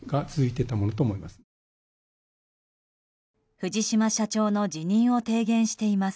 藤島社長の辞任を提言しています。